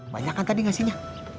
banyak kan tadi ngasihnya